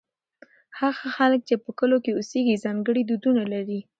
هغه خلک چې په کلو کې اوسېږي ځانګړي دودونه لري.